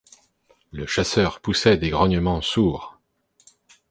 Le chasseur poussait des grognements sourds